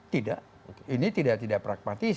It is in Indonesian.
tidak ini tidak tidak pragmatis